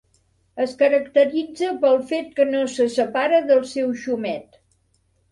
Es caracteritza pel fet que no se separa del seu xumet.